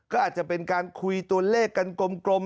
ก็อาจจะเป็นการคุยตัวเลขกันกลม